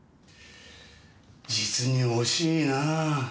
実に惜しいなぁ。